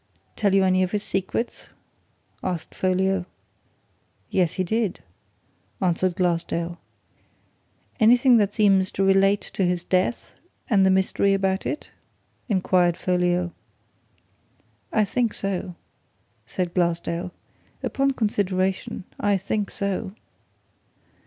"Tell you any of his secrets?" asked Folliot. "Yes, he did!" answered Glassdale. "Anything that seems to relate to his death and the mystery about it?" inquired Folliot. "I think so," said Glassdale. "Upon consideration, I think so!"